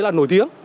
là nổi tiếng